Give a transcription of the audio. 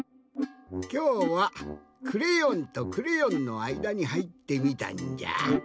きょうはクレヨンとクレヨンのあいだにはいってみたんじゃ。